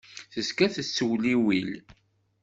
Tezga tettewliwil.